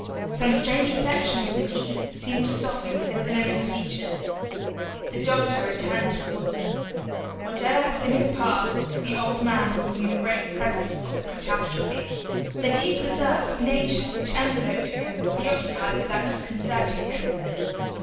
Some strange reflection of the deep seemed to soften their villainous features. The doctor returned towards them. Whatever had been his past, the old man was great in the presence of the catastrophe. The deep reserve of nature which enveloped him preoccupied without disconcerting him.